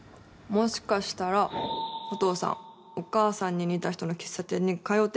もしかしたらお父さんお母さんに似た人の喫茶店に通ってたんじゃないかなって。